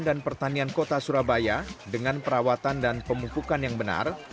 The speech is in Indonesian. dan pertanian kota surabaya dengan perawatan dan pemupukan yang benar